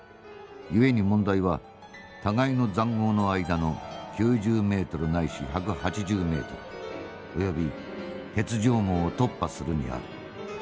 故に問題は互いの塹壕の間の９０メートルないし１８０メートルおよび鉄条網を突破するにある。